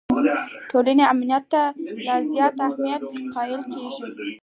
د ټولنې امنیت ته لا زیات اهمیت قایل شي.